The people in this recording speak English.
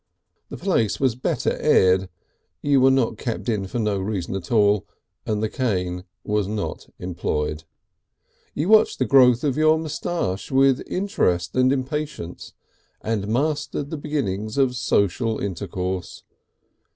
The place was better aired, you were not kept in for no reason at all, and the cane was not employed. You watched the growth of your moustache with interest and impatience, and mastered the beginnings of social intercourse.